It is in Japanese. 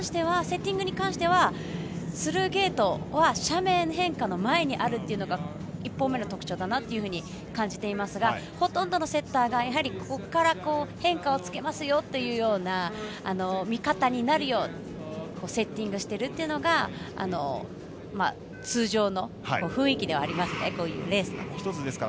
セッティングに関してはスルーゲートは斜面変化の前にあるというのが１本目の特徴かなと感じていますがほとんどのセッターがここから変化をつけますよというような見方になるようセッティングしているというのが通常の雰囲気ではありますねレースの。